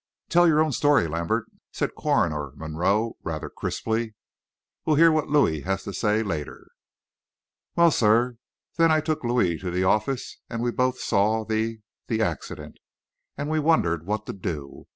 "Tell your own story, Lambert," said Coroner Monroe, rather crisply. "We'll hear what Louis has to say later." "Well, sir, then I took Louis to the office, and we both saw the the accident, and we wondered what to do.